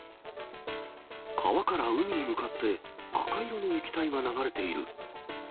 川から海に向かって赤い色の液体が流れている。